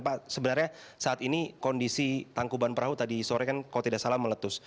pak sebenarnya saat ini kondisi tangkuban perahu tadi sore kan kalau tidak salah meletus